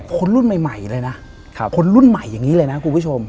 คนรุ่นใหม่เลยนะคนรุ่นใหม่อย่างนี้เลยนะคุณผู้ชม